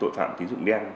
tội phạm tín dụng đen